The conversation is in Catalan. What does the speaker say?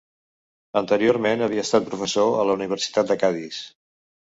Anteriorment havia estat professor a la Universitat de Cadis.